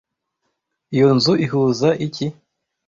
iyo nzu ihuza iki